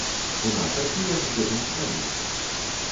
І наш асілак з гэтым справіўся.